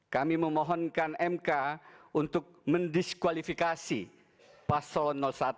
kami memohonkan mk untuk mendiskualifikasi pasol satu